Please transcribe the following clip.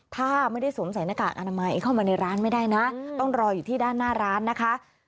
ถ้าไม่ได้สวมใส่หน้ากากอนามัยเข้ามาในร้านไม่ได้นะต้องรออยู่ที่ด้านหน้าร้านนะคะ